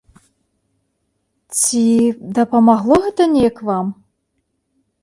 Ці дапамагло гэта неяк вам?